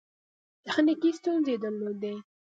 تخنیکي ستونزې یې درلودې.